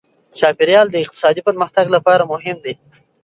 چاپیریال د اقتصادي پرمختګ لپاره هم مهم دی.